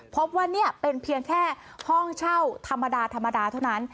เพราะว่านันเป็นเพียงแค่ห้องเช่าธรรมดาเท่านั้น